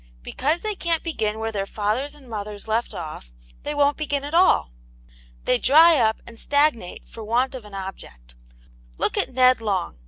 Because they can't begin where their fathers and mothers left off, they won't begin at all. They dry up and stagnate for want of an object. Look at Ned Long.